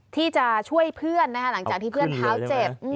ที่จะช่วยเพื่อนหลังจากที่เพื่อนเท้าเจ็บ